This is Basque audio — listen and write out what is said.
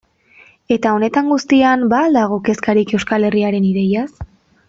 Eta honetan guztian ba al dago kezkarik Euskal Herriaren ideiaz?